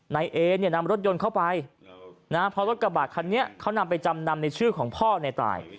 นายเอเนี่ยนำรถยนต์เข้าไปนะเพราะรถกระบาดคันนี้เขานำไปจำนำในชื่อของพ่อในตาย